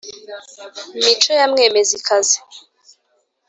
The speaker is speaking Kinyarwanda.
mico ya mwemezi kazi